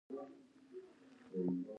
باسواده ښځې د خپلو کورنیو لپاره عاید ګټي.